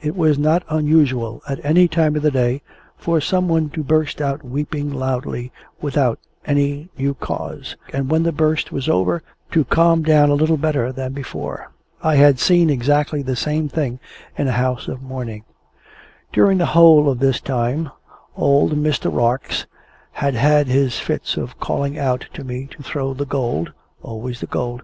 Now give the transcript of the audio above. It was not unusual at any time of the day for some one to burst out weeping loudly without any new cause; and, when the burst was over, to calm down a little better than before. I had seen exactly the same thing in a house of mourning. During the whole of this time, old Mr. Rarx had had his fits of calling out to me to throw the gold (always the gold!)